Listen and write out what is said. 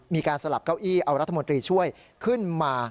สลับเก้าอี้เอารัฐมนตรีช่วยขึ้นมา